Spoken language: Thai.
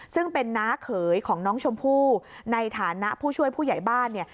ซึ่งเป็นน้าเขยของน้องชมพู่ในฐานะผู้ช่วยผู้ใหญ่บ้านเนี่ย